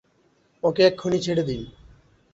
ওকে এক্ষুনি ছেড়ে দিন।